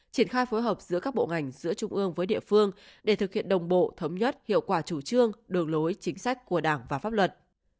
triển khai phối hợp giữa các bộ ngành giữa trung ương với địa phương để thực hiện đồng bộ thống nhất hiệu quả chủ trương đường lối chính sách của đảng và pháp luật